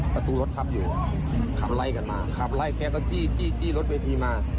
ประตูรถทับอยู่ขับไล่กันมาขับไล่แกก็จี้จี้รถเวทีมา